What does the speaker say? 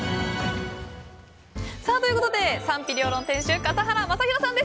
ということで「賛否両論」店主笠原将弘さんです。